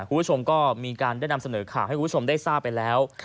คุณผู้ชมก็มีการได้นำเสนอข่าวให้คุณผู้ชมได้ทราบไปแล้ว